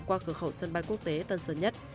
qua cửa khẩu sân bay quốc tế tân sơn nhất